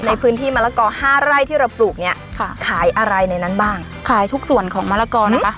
ในพื้นที่มะละกอห้าไร่ที่เราปลูกเนี้ยค่ะขายอะไรในนั้นบ้างขายทุกส่วนของมะละกอนะคะ